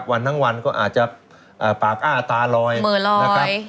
วันตั้งวันก็อาจจะปากอ้าตารอยเหมือนลอย